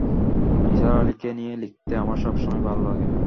নিসার আলিকে নিয়ে লিখতে আমার সব সময়ই ভাল লাগে।